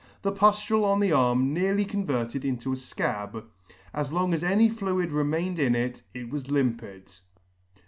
The puftule on the arm nearly converted into a fcab. As long as any fluid re mained in it, it was limpid.